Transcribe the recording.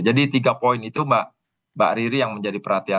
jadi tiga poin itu mbak riri yang menjadi perhatian kami